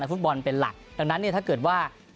ในฟุตบอลเป็นหลักดังนั้นถ้าเกิดว่า